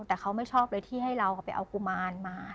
แต่เขาไม่ชอบเลยที่ให้เราไปเอากุมารมา